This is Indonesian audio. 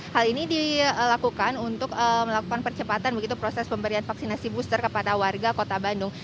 hal ini dilakukan untuk melakukan percepatan begitu proses pemberian vaksinasi booster kepada warga kota bandung